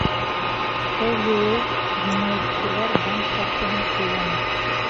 Был юлы енәйәтселәр банк картаһын ҡуллана.